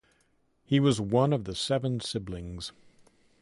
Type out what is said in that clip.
He was one of the seven siblings.